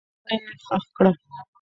مړی یې ښخ کړه.